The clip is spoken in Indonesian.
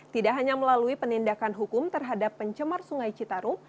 tidak hanya melalui penindakan hukum terhadap pencemar sungai citarum